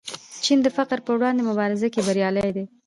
چین د فقر پر وړاندې مبارزه کې بریالی دی.